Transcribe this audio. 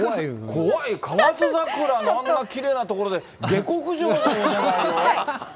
怖い、河津桜のあんなきれいな所で下克上。